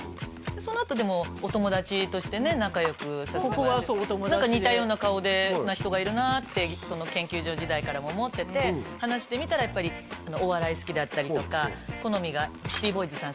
そのあとでもお友達としてね仲よくさせてもらってここはそうお友達で何か似たような顔でな人がいるなって研究所時代からも思ってて話してみたらやっぱりお笑い好きだったりとか好みがシティボーイズさん